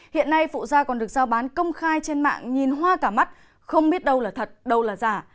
hiện nay phụ da còn được giao bán công khai trên mạng nhìn hoa cả mắt không biết đâu là thật đâu là giả